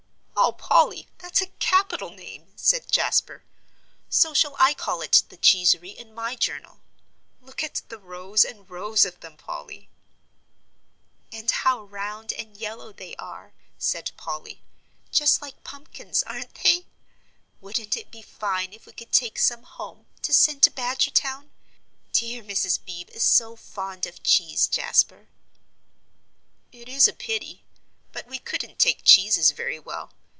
"Oh, Polly, that's a capital name," said Jasper. "So shall I call it the 'Cheesery' in my journal. Look at the rows and rows of them, Polly." "And how round and yellow they are," said Polly; "just like pumpkins, aren't they? Wouldn't it be fine if we could take some home, to send to Badgertown? Dear Mrs. Beebe is so fond of cheese, Jasper." "It is a pity; but we couldn't take cheeses very well.